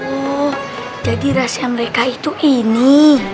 oh jadi rasa mereka itu ini